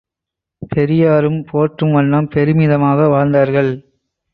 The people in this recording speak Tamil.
பெரியாரும் போற்றும் வண்ணம் பெருமிதமாக வாழ்ந்தார்கள்.